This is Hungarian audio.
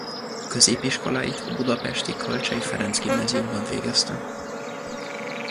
Középiskoláit a budapesti Kölcsey Ferenc Gimnáziumban végezte.